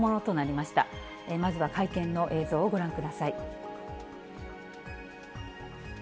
まずは会見の映像をご覧ください。